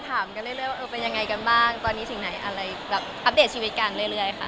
ตอนนี้ถึงไหนอัพเดทชีวิตกันเรื่อยค่ะ